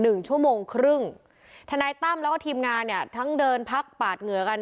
หนึ่งชั่วโมงครึ่งทนายตั้มแล้วก็ทีมงานเนี่ยทั้งเดินพักปาดเหงื่อกัน